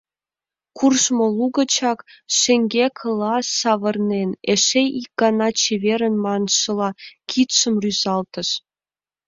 Куржмо лугычак, шеҥгекыла савырнен, эше ик гана чеверын маншыла, кидшым рӱзалтыш.